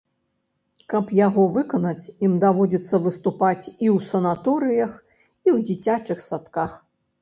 Каб яго выканаць, ім даводзіцца выступаць і ў санаторыях, і ў дзіцячых садках.